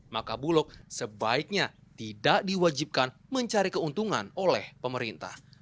maka bulog sebaiknya tidak diwajibkan mencari keuntungan oleh pemerintah